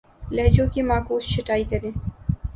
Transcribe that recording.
لہجوں کی معکوس چھٹائی کریں